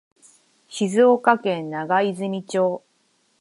静岡県長泉町